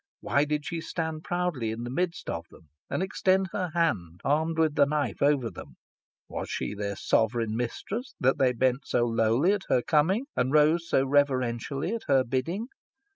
Why did she stand proudly in the midst of them, and extend her hand, armed with the knife, over them? Was she their sovereign mistress, that they bent so lowly at her coming, and rose so reverentially at her bidding?